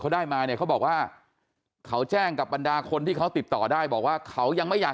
ค่ะเขาอาจจะเดี๋ยวก็กลับมา